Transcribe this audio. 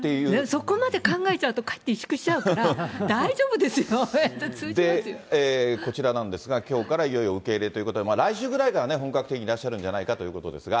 そこまで考えちゃうと、かえって委縮しちゃうこちらなんですが、きょうからいよいよ受け入れということで、来週ぐらいから本格的にいらっしゃるんじゃないかということですが。